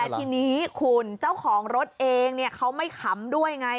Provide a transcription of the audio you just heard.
ทีนี้คุณเจ้าของรถเองเขาไม่ขำด้วยไง